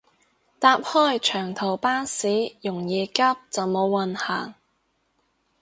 搭開長途巴士容易急就冇運行